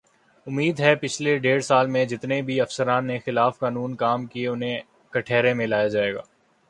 امید ہے پچھلے ڈیڑھ سال میں جتنے بھی افسران نے خلاف قانون کام کیے انہیں کٹہرے میں لایا جائے گا